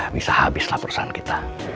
bisa habislah perusahaan kita